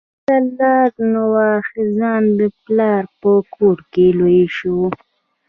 هغه د الله نوازخان د پلار په کور کې لوی شوی.